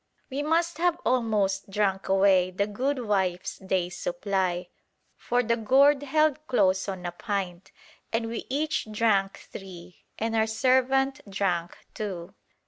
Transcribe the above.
We must have almost drunk away the good wife's day's supply, for the gourd held close on a pint, and we each drank three, and our servant drank two.